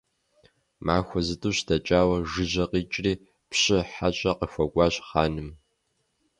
Махуэ зытӀущ дэкӀауэ, жыжьэ къикӀри, пщы хьэщӀэ къыхуэкӀуащ хъаным.